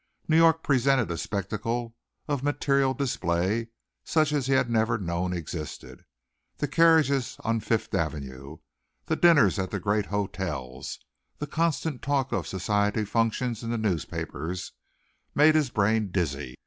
New York presented a spectacle of material display such as he had never known existed. The carriages on Fifth Avenue, the dinners at the great hotels, the constant talk of society functions in the newspapers, made his brain dizzy.